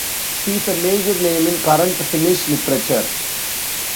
He is a major name in current Finnish literature.